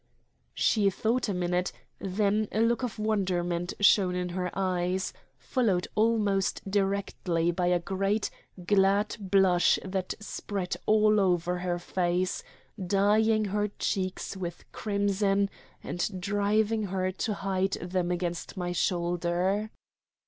She thought a minute; then a look of wonderment shone in her eyes, followed almost directly by a great, glad blush that spread all over her face, dyeing her cheeks with crimson and driving her to hide them against my shoulder.